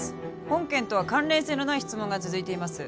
本件とは関連性のない質問が続いています